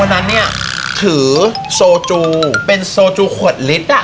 นั้นเนี่ยถือโซจูเป็นโซจูขวดลิตร